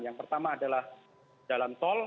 yang pertama adalah jalan tol